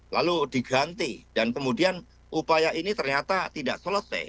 lalu diganti dan kemudian upaya ini ternyata tidak selesai